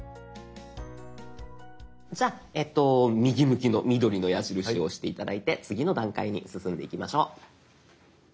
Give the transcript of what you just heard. じゃあ右向きの緑の矢印を押して頂いて次の段階に進んでいきましょう。